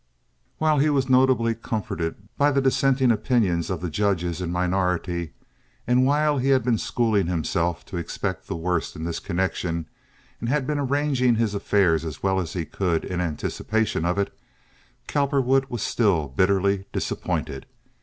While he was notably comforted by the dissenting opinions of the judges in minority, and while he had been schooling himself to expect the worst in this connection and had been arranging his affairs as well as he could in anticipation of it, Cowperwood was still bitterly disappointed.